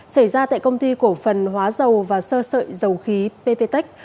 xảy ra tại công ty cổ phần hóa dầu và sơ sợi dầu khí pptech